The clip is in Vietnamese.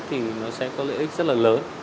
thì nó sẽ có lợi ích rất là lớn